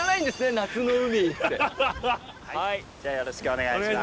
はいじゃあよろしくお願いします。